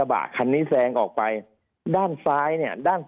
ภารกิจสรรค์ภารกิจสรรค์